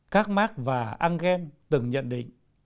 các marx và engel từng nhận định